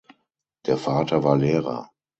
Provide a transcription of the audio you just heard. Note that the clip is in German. Der Vater war Lehrer.